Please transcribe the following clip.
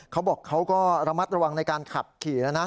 เขาบอกเขาก็ระมัดระวังในการขับขี่แล้วนะ